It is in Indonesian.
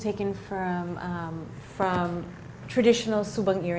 dan ini diambil dari